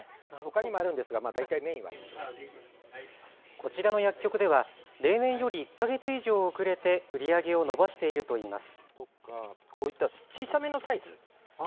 こちらの薬局では例年より１か月以上遅れて売り上げを伸ばしているといいます。